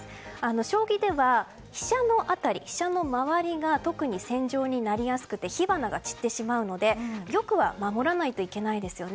将棋では飛車の辺り、周りが特に戦場になりやすくて火花が散ってしまうので玉は守らないといけないですよね。